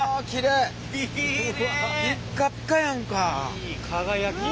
いい輝き。